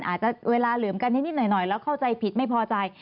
อาจจะเวลาเหลือมกันนิดหน่อยแล้วเข้าใจผิดไม่พอใจ